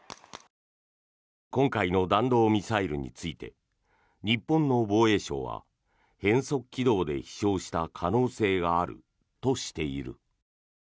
今回の弾道ミサイルについて日本の防衛省は変則軌道で飛翔した可能性があるとしている。